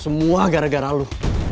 semua gara gara lu